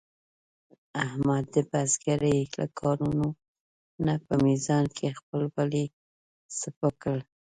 احمد د بزرګرۍ له کارونو نه په میزان کې خپل ولي سپک کړل.